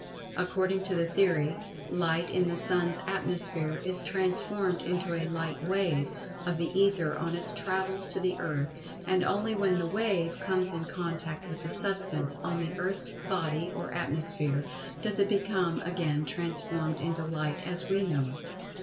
Ac[Pg 101]cording to the theory, Light in the Sun's atmosphere is transformed into a Light wave of the Ether on its travels to the earth, and only when the "wave" comes in contact with the Substance on the earth's body or atmosphere does it become again transformed into Light as we know it.